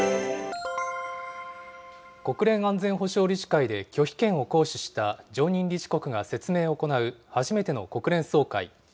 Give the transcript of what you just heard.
国連安全保障理事会で拒否権を行使した常任理事国が説明を行う、初めての国連総会。